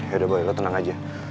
yaudah boleh lu tenang aja